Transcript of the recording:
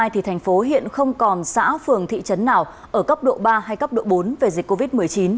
thành phố hiện không còn xã phường thị trấn nào ở cấp độ ba hay cấp độ bốn về dịch covid một mươi chín